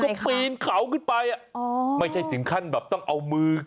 ปีนเขาขึ้นไปอ่ะอ๋อไม่ใช่ถึงขั้นแบบต้องเอามือ